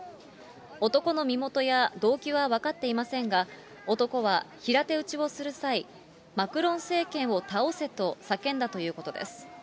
男の身元や動機は分かっていませんが、男は平手打ちをする際、マクロン政権を倒せと叫んだということです。